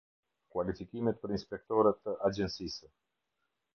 Kualifikimet për inspektorë të Agjencisë.